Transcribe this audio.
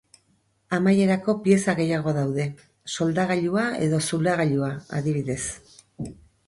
Amaierako pieza gehiago daude, soldagailua edo zulagailua adibidez.